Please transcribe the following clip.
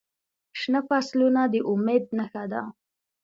شنه فصلونه د امید نښه ده.